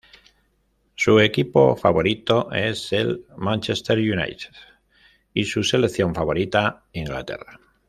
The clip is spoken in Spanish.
Su equipo favorito es el Manchester United y su selección favorita Inglaterra.